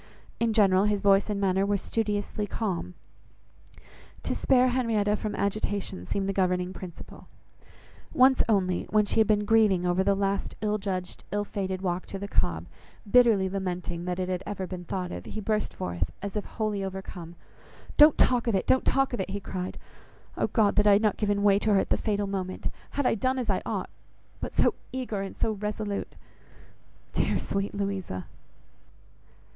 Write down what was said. In general, his voice and manner were studiously calm. To spare Henrietta from agitation seemed the governing principle. Once only, when she had been grieving over the last ill judged, ill fated walk to the Cobb, bitterly lamenting that it ever had been thought of, he burst forth, as if wholly overcome— "Don't talk of it, don't talk of it," he cried. "Oh God! that I had not given way to her at the fatal moment! Had I done as I ought! But so eager and so resolute! Dear, sweet Louisa!"